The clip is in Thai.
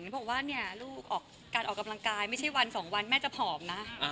บอกว่าเนี่ยลูกออกการออกกำลังกายไม่ใช่วันสองวันแม่จะผอมนะ